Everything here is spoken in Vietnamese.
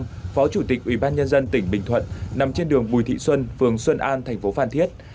nguyễn văn phong phó chủ tịch ủy ban nhân dân tỉnh bình thuận nằm trên đường bùi thị xuân phường xuân an thành phố phan thiết